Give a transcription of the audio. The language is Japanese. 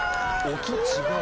音違う。